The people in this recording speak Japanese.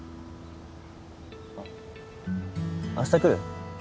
あっ明日来る？